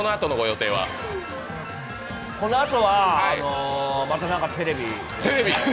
このあとは、また何かテレビ。